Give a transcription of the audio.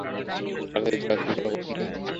তাড়াতাড়ি যাওয়ার কি কোনো পথ নেই?